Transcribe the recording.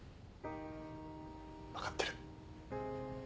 分かってる。